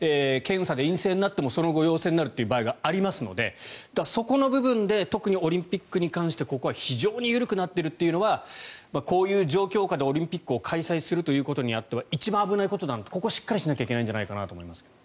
検査で陰性になってもその後、陽性になる場合がありますのでそこの部分で特にオリンピックに関してここは非常に緩くなっているというのはこういう状況下でオリンピックを開催するということにあっては一番危ないことなのでここはしっかりしなきゃいけないんじゃないかと思います。